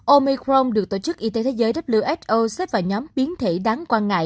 omicron được tổ chức y tế thế giới who xếp vào nhóm biến thể đáng quan ngại